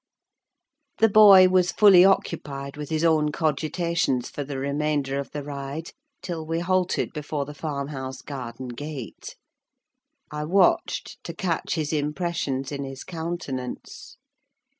The boy was fully occupied with his own cogitations for the remainder of the ride, till we halted before the farmhouse garden gate. I watched to catch his impressions in his countenance.